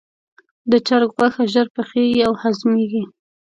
د چرګ غوښه ژر پخیږي او هضمېږي.